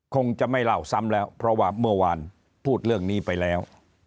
คงจะไม่เล่าซ้ำแล้วเพราะว่าเมื่อวานพูดเรื่องนี้ไปแล้ว